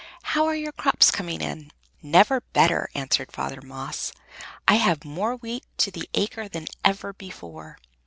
"How are your crops coming on?" "Never better," answered Father Maes; "I have more wheat to the acre than ever before."